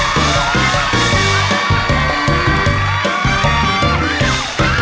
พบกันทุกวัน